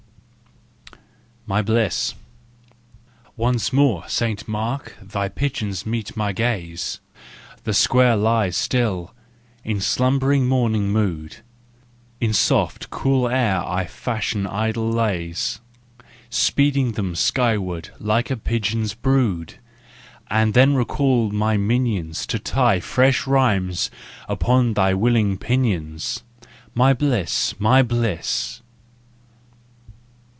MY BLISS. Once more, St Mark, thy pigeons meet my gaze, The Square lies still, in slumbering morning mood: In soft, cool air I fashion idle lays, Speeding them skyward like a pigeon's brood: And then recall my minions To tie fresh rhymes upon their willing pinions. My bliss! My bliss!